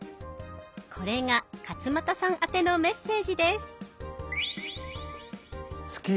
これが勝俣さんあてのメッセージです。